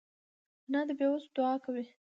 انا د بېوسو دعا کوي